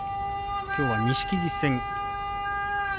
きょうは錦木戦。